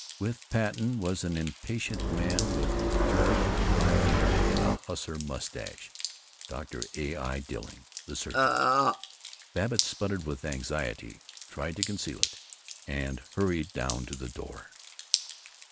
With Patten was an impatient man with turbulent black hair and a hussar mustache Dr. A. I. Dilling, the surgeon. Babbitt sputtered with anxiety, tried to conceal it, and hurried down to the door.